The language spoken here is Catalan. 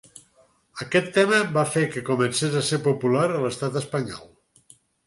Aquest tema va fer que comencés a ser popular a l'Estat espanyol.